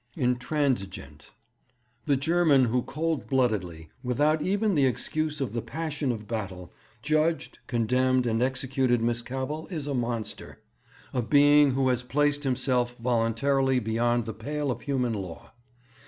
Intransigeant. 'The German who cold bloodedly, without even the excuse of the passion of battle, judged, condemned, and executed Miss Cavell is a monster, a being who has placed himself voluntarily beyond the pale of human law.